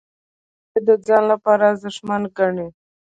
چې هغه یې د ځان لپاره ارزښتمن ګڼي.